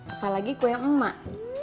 apalagi kue yang emak